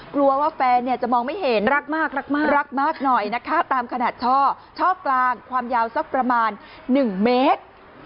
กลัวว่าแฟนเนี่ยจะมองไม่เห็นรักมากรักมากรักมากหน่อยนะคะตามขนาดช่อช่อกลางความยาวสักประมาณ๑เมตร